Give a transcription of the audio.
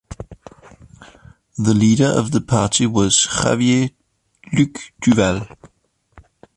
The Leader of the party was Xavier Luc Duval.